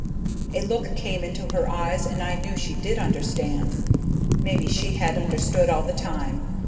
A look came into her eyes and I knew she did understand. Maybe she had understood all the time.